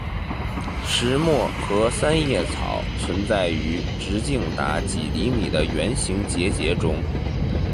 石墨和三叶草存在于直径达几厘米的圆形结节中。